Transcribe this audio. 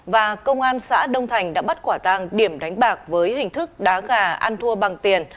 và công an xã đông thành đã bắt quả tăng điểm đánh bạc với hình thức đá gà ăn thua bằng tiền